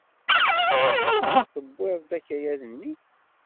Tewwiḍ-d akayad-nni?